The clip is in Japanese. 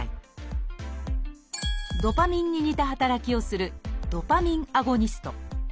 ドパミンに似た働きをする「ドパミンアゴニスト」。